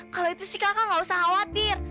kalau itu sih kakak gak usah khawatir